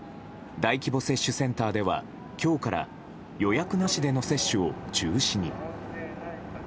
大規模接種センターでは今日から予約なしでの接種を中止に。